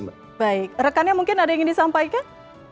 baik rekannya mungkin ada yang ingin disampaikan